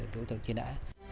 đối tượng truy nã